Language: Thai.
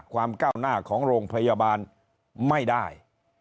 ก้าวหน้าของโรงพยาบาลไม่ได้